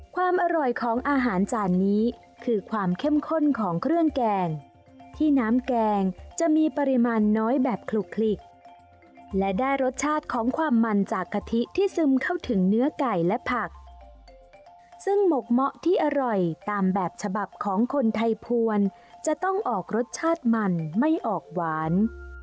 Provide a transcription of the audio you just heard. ความอร่อยของอาหารจานนี้คือความเข้มข้นของเครื่องแกงที่น้ำแกงจะมีปริมาณน้อยแบบคลุกคลิกและได้รสชาติของความมันจากกะทิที่ซึมเข้าถึงเนื้อไก่และผักซึ่งหมกเมาะที่อร่อยตามแบบฉบับของคนไทยพวนจะต้องออกรสชาติมันไม่ออกหวาน